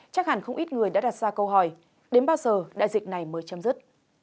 chắc hẳn không ít người đã đặt ra câu hỏi đến bao giờ đại dịch này mới chấm dứt